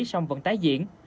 xong vẫn tái diễn